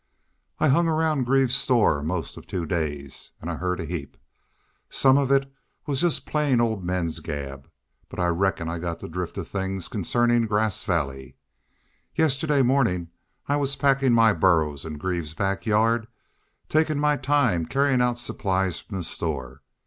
"I hung round Greaves' store most of two days. An' I heerd a heap. Some of it was jest plain ole men's gab, but I reckon I got the drift of things concernin' Grass Valley. Yestiddy mornin' I was packin' my burros in Greaves' back yard, takin' my time carryin' out supplies from the store.